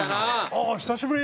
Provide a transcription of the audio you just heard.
ああ久しぶり！